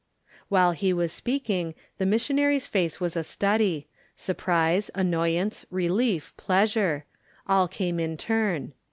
While he was speaking the missionary's face was a study—surprise, annoyance, relief, pleasure—all came in turn.